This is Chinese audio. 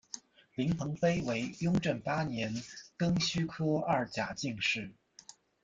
林鹏飞为雍正八年庚戌科二甲进士。